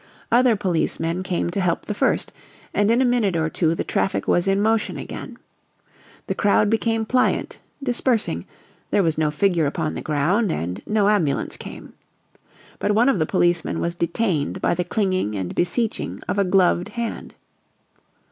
Other policemen came to help the first, and in a minute or two the traffic was in motion again. The crowd became pliant, dispersing there was no figure upon the ground, and no ambulance came. But one of the policemen was detained by the clinging and beseeching of a gloved hand.